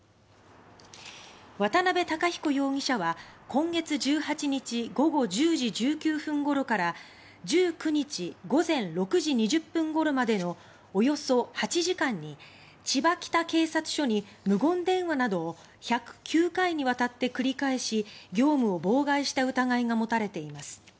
渡邉孝彦容疑者は今月１８日午後１０時１９分ごろから１９日午前６時２０分ごろまでのおよそ８時間に千葉北警察署に無言電話などを１０９回にわたって繰り返し業務を妨害した疑いが持たれています。